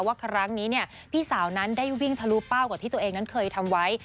ว่าครั้งนี้พี่สาวนั้นได้วิ่งทะลุเป้ากว่าที่ตัวเองนั้นเคยทำไว้